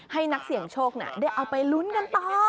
ให้นักเสียงโชคน่าได้เอาไปรุ้นกันกันต่อ